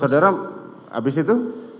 saudara habis itu